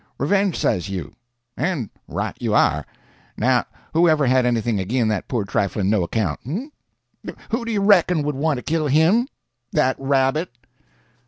Revenge, says you; and right you are. Now who ever had anything agin that poor trifling no account? Who do you reckon would want to kill him?—that rabbit!"